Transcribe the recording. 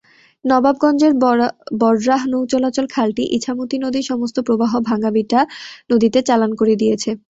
নবাবগঞ্জের বররাহ নৌ চলাচল খালটি ইছামতি নদীর সমস্ত প্রবাহ ভাঙ্গাভিটা নদীতে চালান করে দিয়েছে।